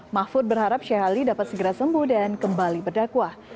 mahfud berharap sheikh ali dapat segera sembuh dan kembali berdakwah